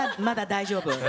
まだ大丈夫。